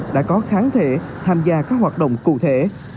đã có kháng thể tham gia các hoạt động cụ thể